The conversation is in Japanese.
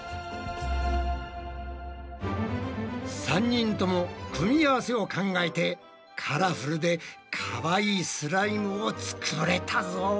３人とも組み合わせを考えてカラフルでかわいいスライムを作れたぞ。